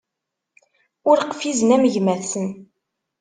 Ur qfizen am gma-tsen.